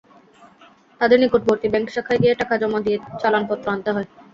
তাঁদের নিকটবর্তী ব্যাংক শাখায় গিয়ে টাকা জমা দিয়ে চালানপত্র আনতে হয়।